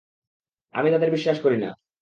আমি তাদের বিশ্বাস করি না।